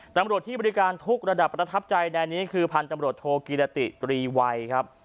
ตำรวจที่บริการทุกระดับประทับใจในนี้คือพันธุ์ตำรวจโทกิรติตรีวัยครับ